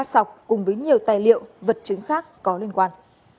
sọc cùng với nhiều tài liệu vật chứng khác có liên quan